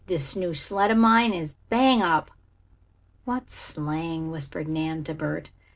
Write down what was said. "This new sled of mine is bang up." "What slang!" whispered Nan, to Bert.